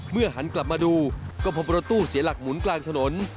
หันกลับมาดูก็พบรถตู้เสียหลักหมุนกลางถนน